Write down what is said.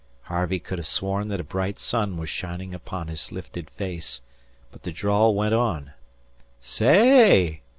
Harvey could have sworn that a bright sun was shining upon his lifted face; but the drawl went on: "Sa ay!